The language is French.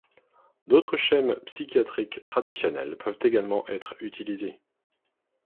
D'autres schèmes psychiatriques traditionnels peuvent également être utilisés.